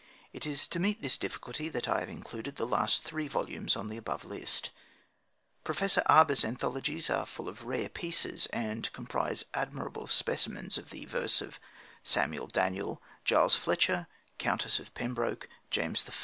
It is to meet this difficulty that I have included the last three volumes on the above list. Professor Arber's anthologies are full of rare pieces, and comprise admirable specimens of the verse of Samuel Daniel, Giles Fletcher, Countess of Pembroke, James I.